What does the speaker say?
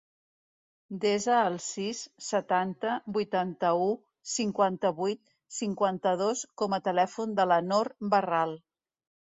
Desa el sis, setanta, vuitanta-u, cinquanta-vuit, cinquanta-dos com a telèfon de la Nor Barral.